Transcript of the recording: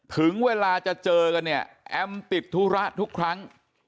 ถึงเวลาจะเจอกันเนี่ยแอมติดธุระทุกครั้ง